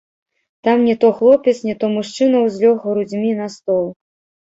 Там не то хлопец, не то мужчына ўзлёг грудзьмі на стол.